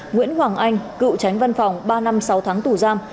nguyễn hoàng anh cựu tránh văn phòng ba năm sáu tháng tù giam